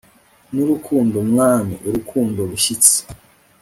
n'urukundo, mwami, urukundo rushyitse